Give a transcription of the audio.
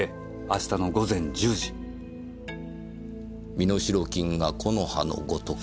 「身代金が木の葉のごとく」